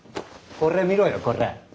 これ見ろよこれ。